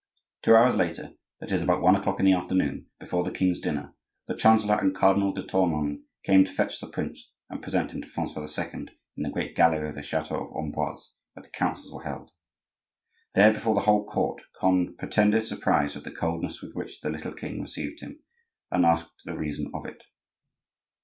Two hours later, that is, about one o'clock in the afternoon, before the king's dinner, the chancellor and Cardinal de Tournon came to fetch the prince and present him to Francois II. in the great gallery of the chateau of Amboise, where the councils were held. There, before the whole court, Conde pretended surprise at the coldness with which the little king received him, and asked the reason of it.